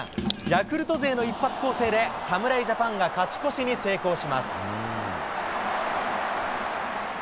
ヤクルト勢の一発攻勢で、侍ジャパンが勝ち越しに成功します。